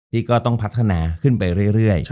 ที่ก็ต้องพัฒนาขึ้นไปเรื่อย